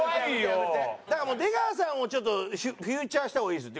だから出川さんをちょっとフィーチャーした方がいいですよ。